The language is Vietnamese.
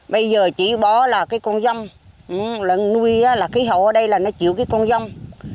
bây giờ chỉ bỏ là con rông nuôi là khí hậu ở đây nó chịu con rông